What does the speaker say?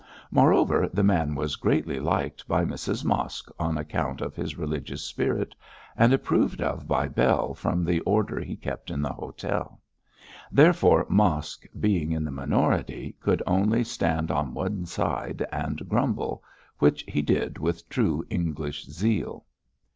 Moreover, the man was greatly liked by Mrs Mosk on account of his religious spirit, and approved of by Bell from the order he kept in the hotel. Therefore Mosk, being in the minority, could only stand on one side and grumble, which he did with true English zeal.